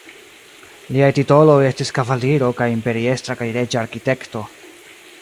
Liaj titoloj estis kavaliro kaj imperiestra kaj reĝa arkitekto.